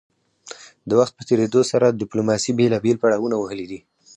د وخت په تیریدو سره ډیپلوماسي بیلابیل پړاونه وهلي دي